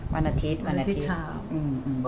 วันอาทิตย์